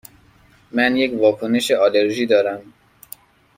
من یک واکنش آلرژی دارم.